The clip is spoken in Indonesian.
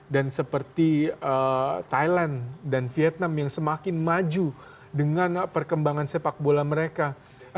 dan seperti thailand dan vietnam yang semakin maju dengan perkembangan sepak bola mereka